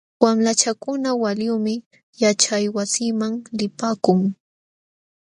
Wamlachakuna waliyuqmi yaćhaywasiman lipaakun.